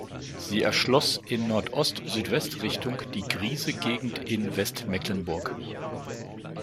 Sie erschloss in Nordost-Südwest-Richtung die Griese Gegend in Westmecklenburg.